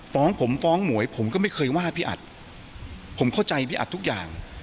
ฟ้องผมฟ้องหมวยผมก็ไม่เคยว่าพี่อัดผมเข้าใจพี่อัดทุกอย่าง